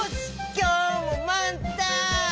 きょうもまんたん！